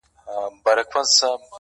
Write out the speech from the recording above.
خارق العاده پیښې رامنځ ته کیږې